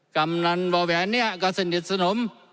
กำนันบ่อแหวนเนี่ยก็สนิทสนม